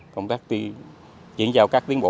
công tác chuyển giao các tiến bộ